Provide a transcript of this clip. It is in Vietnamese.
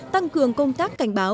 tăng cường công tác cảnh báo